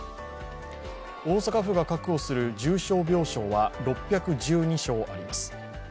大阪府が確保する重症病床は６１２床あります。